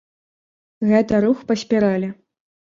Гэта рух па спіралі.